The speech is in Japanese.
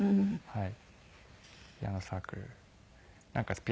はい。